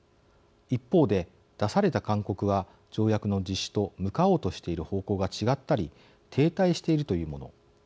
一方で出された勧告は条約の実施と向かおうとしている方向が違ったり停滞したりしているもの。